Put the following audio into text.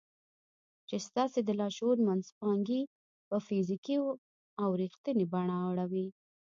چې ستاسې د لاشعور منځپانګې په فزيکي او رښتينې بڼه اړوي.